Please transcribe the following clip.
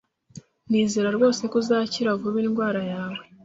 Nizera rwose ko uzakira vuba indwara yawe